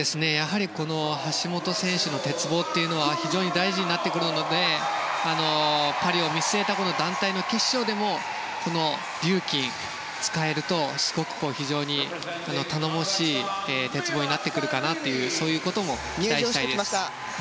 橋本選手の鉄棒というのは非常に大事になってくるのでパリを見据えて、団体の決勝でもリューキンを使えるとすごく頼もしい鉄棒になってくるかなと期待したいです。